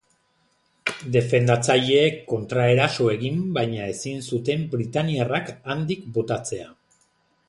Defendatzaileek kontraeraso egin baina ezin zuten britainiarrak handik botatzea.